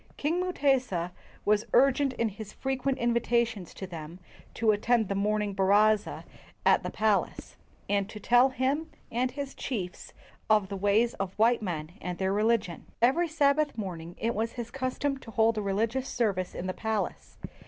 King Mutesa was urgent in his frequent invitations to them to attend the morning baraza at the palace, and to tell him and his chiefs of the ways of white men and their religion. Every Sabbath morning it was his custom to hold a religious service in the palace.